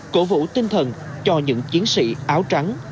cổ vũ tinh thần cho những chiến sĩ áo trắng